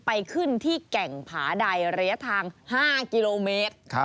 ไปขึ้นที่แก่งผาใดระยะทาง๕กิโลเมตร